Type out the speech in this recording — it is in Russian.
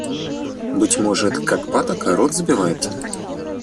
Быть может, как патока, рот забивает?